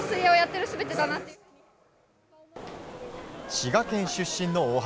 滋賀県出身の大橋。